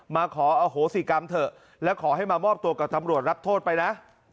มาขออโหสิกรรมเถอะและขอให้มามอบตัวกับตำรวจรับโทษไปนะ